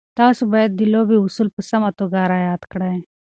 تاسو باید د لوبې اصول په سمه توګه رعایت کړئ.